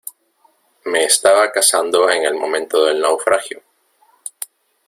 me estaba casando en el momento del naufragio.